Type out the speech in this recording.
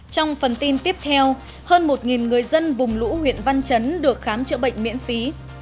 trong phần tin tiếp theo hơn một người dân vùng lũ huyện văn chấn được khám chữa bệnh miễn phí